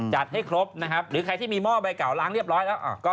ให้ครบนะครับหรือใครที่มีหม้อใบเก่าล้างเรียบร้อยแล้ว